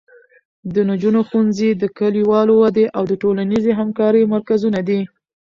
د نجونو ښوونځي د کلیوالو ودې او ټولنیزې همکارۍ مرکزونه دي.